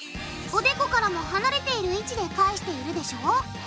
おでこからも離れている位置で返しているでしょ？